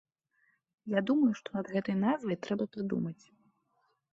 Я думаю, што над гэтай назвай трэба падумаць.